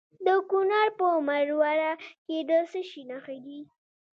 د کونړ په مروره کې د څه شي نښې دي؟